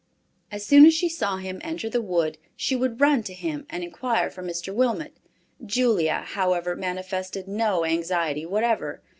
As soon as she saw him enter the wood, she would run to him, and inquire for Mr. Wilmot. Julia, however, manifested no anxiety whatever.